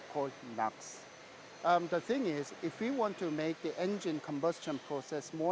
hal yang penting adalah jika kita ingin membuat proses pengecualian mesin